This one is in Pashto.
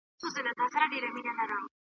نن له سرو میو نشې تللي دي مستي ویده ده .